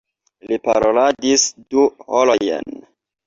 Li paroladis du horojn.